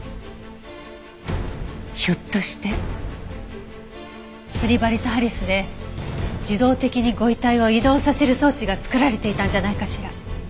ひょっとして釣り針とハリスで自動的にご遺体を移動させる装置が作られていたんじゃないかしら。